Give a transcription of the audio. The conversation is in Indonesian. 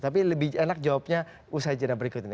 tapi lebih enak jawabnya usaha jenama berikut ini